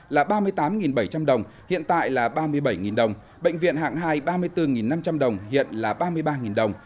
là ba mươi tám bảy trăm linh đồng hiện tại là ba mươi bảy đồng bệnh viện hạng hai ba mươi bốn năm trăm linh đồng hiện là ba mươi ba đồng